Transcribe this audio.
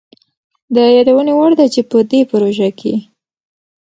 د يادوني وړ ده چي په دې پروژه کي